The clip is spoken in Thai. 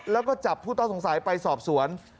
แล้วก็จับผู้ต้องสงสัยไปสอบสวน